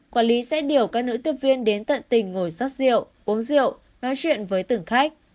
quản lý sẽ điều các nữ tiếp viên đến tận tình ngồi sót rượu uống rượu nói chuyện với từng khách